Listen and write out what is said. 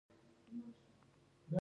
د کوچيانو د ژوند څرنګوالی او ستونزي